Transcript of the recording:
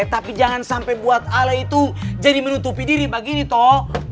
tapi jangan sampai buat ala itu jadi menutupi diri bagi toh